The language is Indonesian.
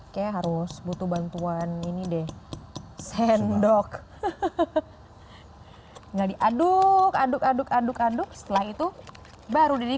kayak harus butuh bantuan ini deh sendok tinggal diaduk aduk aduk aduk aduk setelah itu baru jadi